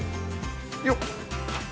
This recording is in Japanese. よっ！